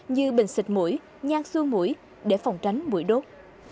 như bình xịt mũi nhan xua mũi để phòng tránh mũi đốt